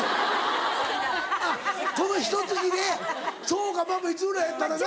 あっこのひと月でそうかまぁ光浦やったらな。